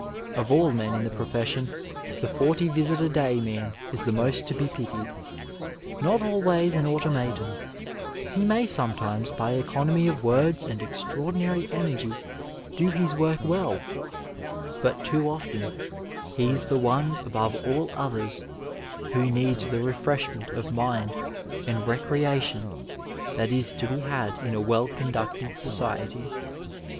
Of all men in the profession the forty visit a day man is the most to be pitied. Not always an automaton, he may sometimes by economy of words and extraordinary energy do his work well, but too often he is the one above all others who needs the refreshment of mind and recreation that is to be had in a well conducted society.